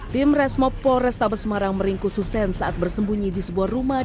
tim resmopo restabes semarang meringkususen saat bersembunyi di sebuah rumah